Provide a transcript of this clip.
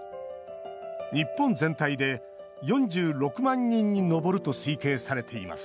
日本全体で４６万人に上ると推計されています